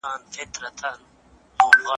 تاسو خپل مسؤليت په ښه ډول سرته ورساوه.